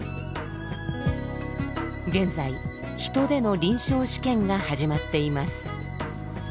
現在人での臨床試験が始まっています。